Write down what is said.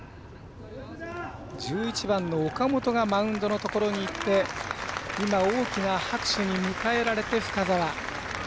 １１番の岡本がマウンドのところに行って大きな拍手に迎えられて深沢。